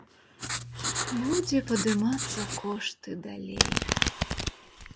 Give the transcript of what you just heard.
Будзе падымацца кошт і далей.